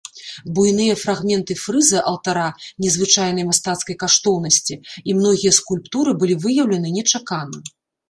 Буйныя фрагменты фрыза алтара незвычайнай мастацкай каштоўнасці і многія скульптуры былі выяўлены нечакана.